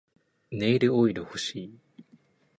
ネイルオイル欲しい